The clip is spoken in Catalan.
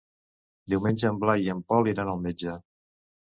Diumenge en Blai i en Pol iran al metge.